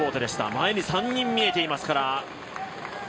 前に３人、見えていますから。